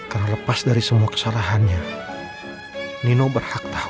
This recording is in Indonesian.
karena lepas dari semua kesalahannya nino berhak tahu